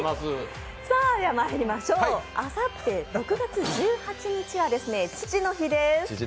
あさって６月１８日は父の日です。